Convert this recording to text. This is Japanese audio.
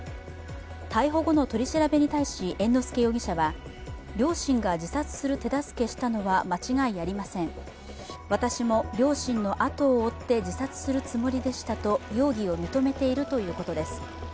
逮捕後の取り調べに対し猿之助容疑者は、両親が自殺する手助けしたのは間違いありません、私も両親の後を追って自殺するつもりでしたと容疑を認めているということです。